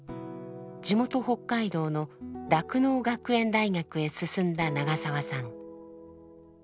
地元北海道の酪農学園大学へ進んだ長澤さん。